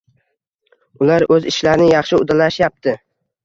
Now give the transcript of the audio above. Ular oʻz ishlarini yaxshi uddalashyapti.